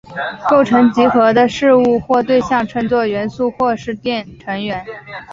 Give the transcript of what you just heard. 构成集合的事物或对象称作元素或是成员。